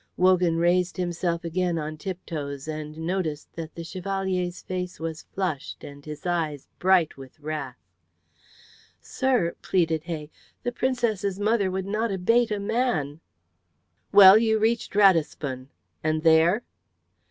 Wogan raised himself again on tiptoes and noticed that the Chevalier's face was flushed and his eyes bright with wrath. "Sir," pleaded Hay, "the Princess's mother would not abate a man." "Well, you reached Ratisbon. And there?"